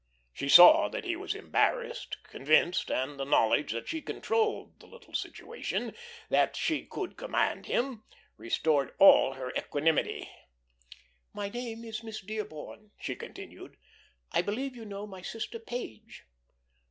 She saw that he was embarrassed, convinced, and the knowledge that she controlled the little situation, that she could command him, restored her all her equanimity. "My name is Miss Dearborn," she continued. "I believe you know my sister Page."